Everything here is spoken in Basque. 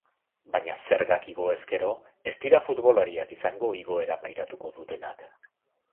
Baina zergak igo ezkero ez dira futbolariak izango igoera pairatuko dutenak.